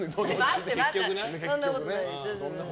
そんなことないです。